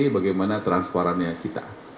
bagaimana transparannya kita